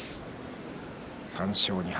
３勝２敗